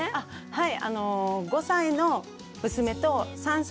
はい。